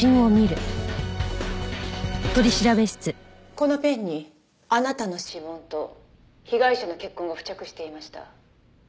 「このペンにあなたの指紋と被害者の血痕が付着していました」